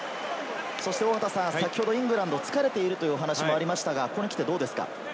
先ほどイングランドは疲れているというお話がありましたが、ここに来てどうですか？